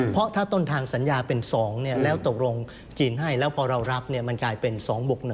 เพราะถ้าต้นทางสัญญาเป็น๒แล้วตกลงจีนให้แล้วพอเรารับมันกลายเป็น๒บวก๑